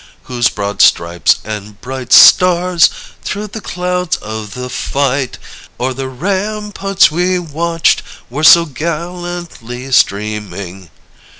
Whose broad stripes and bright stars, through the clouds of the fight, O'er the ramparts we watched, were so gallantly streaming?